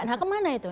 nah kemana itu